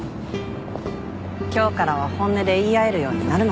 今日からは本音で言い合えるようになるのかも。